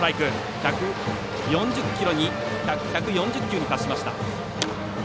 １４０球に達しました。